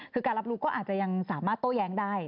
คือการรับรู้ก็อาจจะยังสามารถโต้แย้งได้